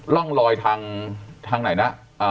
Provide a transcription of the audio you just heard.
ร่องลอยทางไหนนะ